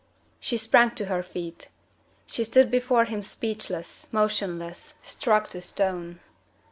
She sprang to her feet. She stood before him speechless, motionless, struck to stone.